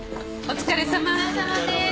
お疲れさまです。